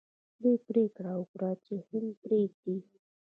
دوی پریکړه وکړه چې هند پریږدي.